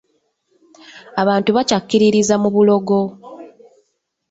Abantu bakyakkiririza mu bulogo.